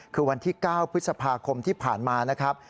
คือวันที่๙พฤษภาคมที่ผ่านมานะครับ